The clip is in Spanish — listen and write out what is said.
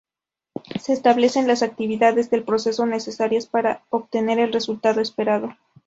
Se establecen las actividades del proceso, necesarias para obtener el resultado esperado.